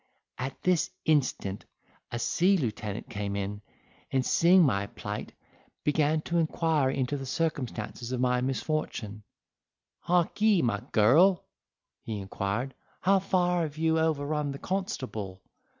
'At this instant a sea lieutenant came in, and seeing my plight, began to inquire into the circumstances of my misfortune. "Harkee, my girl," he inquired "how far have you overrun the constable?"